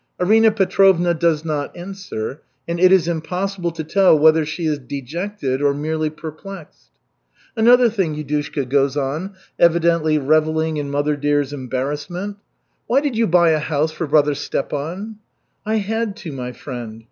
Arina Petrovna does not answer, and it is impossible to tell whether she is dejected or merely perplexed. "Another thing," Yudushka goes on, evidently reveling in mother dear's embarrassment. "Why did you buy a house for brother Stepan?" "I had to, my friend.